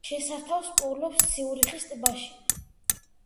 შესართავს პოულობს ციურიხის ტბაში.